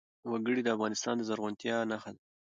وګړي د افغانستان د زرغونتیا نښه ده.